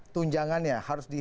tunjangan ya harus disesuaikan